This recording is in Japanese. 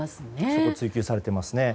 そこを追及されていますね。